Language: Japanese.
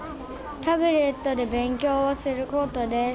タブレットで勉強をすることです。